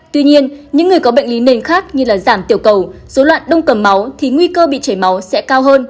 tuy nhiên những người có bệnh lý nền khác như giảm tiểu cầu dối loạn đông cầm máu thì nguy cơ bị chảy máu sẽ cao hơn